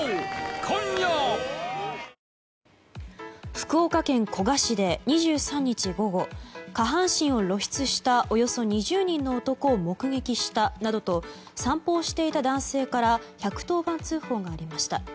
福岡県古賀市で２３日午後下半身を露出したおよそ２０人の男を目撃したなどと散歩をしていた男性から１１０番通報がありました。